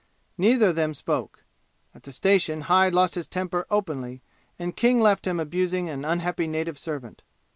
Neither of them spoke. At the station Hyde lost his temper openly, and King left him abusing an unhappy native servant.